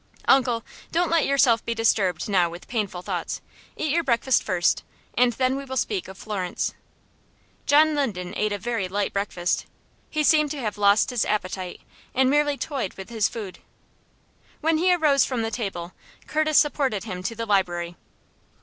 "Uncle, don't let yourself be disturbed now with painful thoughts. Eat your breakfast first, and then we will speak of Florence." John Linden ate a very light breakfast. He seemed to have lost his appetite and merely toyed with his food. When he arose from the table, Curtis supported him to the library.